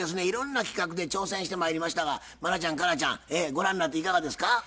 いろんな企画で挑戦してまいりましたが茉奈ちゃん佳奈ちゃんご覧になっていかがですか？